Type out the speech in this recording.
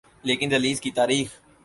لیکن ریلیز کی تاریخ